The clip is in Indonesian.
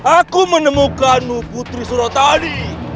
aku menemukanmu putri surat tadi